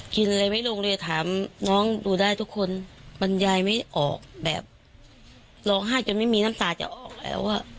กินอะไรไม่ลงเลยถามน้องดูได้ทุกคนบรรยายไม่ออกแบบร้องไห้จนไม่มีน้ำตาจะออกแล้วอ่ะ